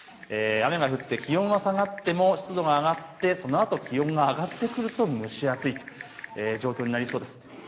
雨が降って気温が下がっても湿度が上がってそのあと気温が上がってくると蒸し暑いという状況になりそうです。